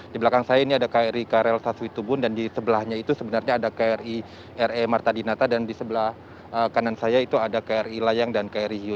di belakang saya ini ada kri krl saswitubun dan di sebelahnya itu sebenarnya ada kri re marta dinata dan di sebelah kanan saya itu ada kri layang dan kri hiu